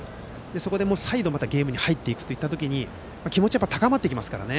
そこで再度ゲームに入った時に気持ちは高まってきますからね。